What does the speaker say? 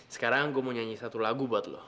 sekarang gue mau nyanyi satu lagu buat lo